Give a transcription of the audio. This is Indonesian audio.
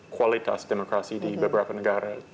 kualitas demokrasi di beberapa negara